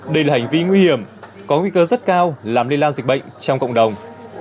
đây là hành vi nguy hiểm có nguy cơ rất cao làm lây lan dịch bệnh trong cộng đồng